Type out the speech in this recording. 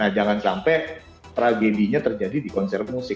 nah jangan sampai tragedinya terjadi di konser musik